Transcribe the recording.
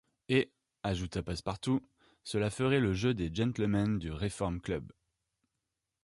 Et, ajouta Passepartout, cela ferait le jeu des gentlemen du Reform-Club.